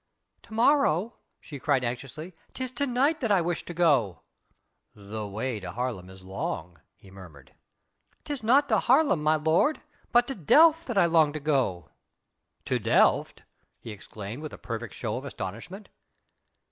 "To morrow?" she cried anxiously, "'Tis to night that I wish to go." "The way to Haarlem is long ..." he murmured. "'Tis not to Haarlem, my lord, but to Delft that I long to go." "To Delft?" he exclaimed with a perfect show of astonishment.